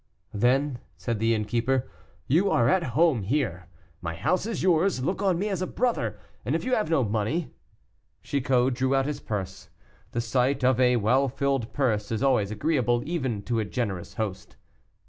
"Then," said the innkeeper, "you are at home here; my house is yours, look on me as a brother, and if you have no money " Chicot drew out his purse. The sight of a well filled purse is always agreeable, even to a generous host.